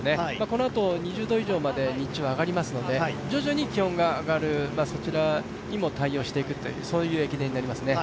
このあと２０度以上まで、日中は上がりますので徐々に気温が上がる、そちらにも対応していく駅伝になりますね。